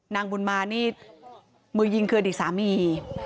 นางบุญมานี่มือยิงคืออดีตสามี